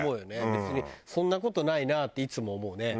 別にそんな事ないなっていつも思うね。